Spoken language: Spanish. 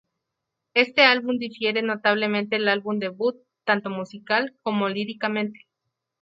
Este álbum difiere notablemente del álbum debut, tanto musical como líricamente.